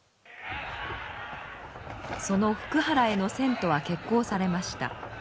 その福原への遷都は決行されました。